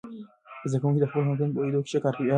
زده کوونکي د خپلو حقونو په پوهیدو کې ښه کار کوي.